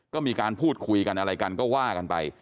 ก็มีการพูดคุยกันอะไรกันก็ว่ากันไป